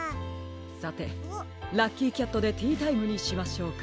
さてラッキーキャットでティータイムにしましょうか。